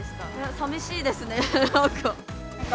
さみしいですね、なんか。